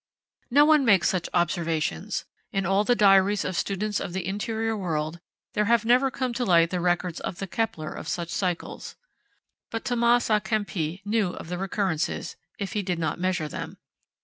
No one makes such observations; in all the diaries of students of the interior world, there have never come to light the records of the Kepler of such cycles. But Thomas a Kempis knew of the recurrences, if he did not measure them.